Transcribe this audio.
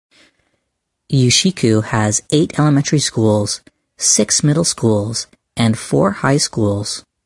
Ushiku has eight elementary schools, six middle schools, and four high schools.